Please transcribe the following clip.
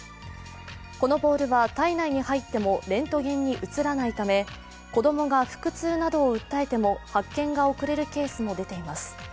このボールは体内に入ってもレントゲンに写らないため、子供が腹痛などを訴えても発見が遅れるケースも出ています。